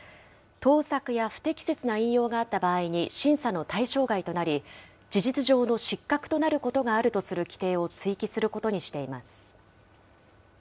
盗作や不適切な引用があった場合に、審査の対象外となり、事実上の失格となることがあるとする規定を追記することにしています。